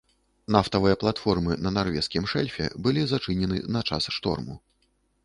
Нафтавыя платформы на нарвежскім шэльфе былі зачынены на час шторму.